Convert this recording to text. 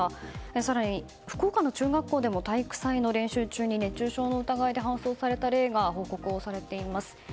更に福岡の中学校でも体育祭の練習中に熱中症の疑いで搬送された例が報告されています。